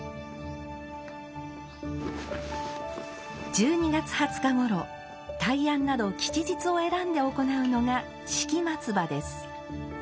１２月２０日ごろ大安など吉日を選んで行うのが敷松葉です。